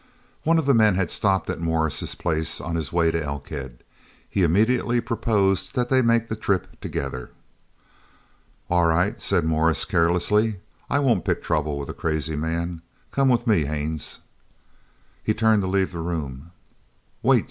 One of the men had stopped at Morris's place on his way to Elkhead. He immediately proposed that they make the trip together. "All right," said Morris carelessly. "I won't pick trouble with a crazy man. Come with me, Haines." He turned to leave the room. "Wait!"